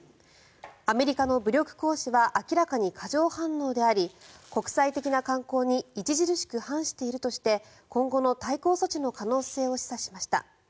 アメリカの武力行使は明らかに過剰反応であり国際的な慣行に著しく反しているとして今後の対抗措置の可能性を示唆しました。